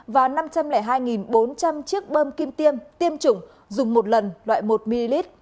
và năm trăm linh hai bốn trăm linh chiếc bơm kim tiêm tiêm chủng dùng một lần loại một ml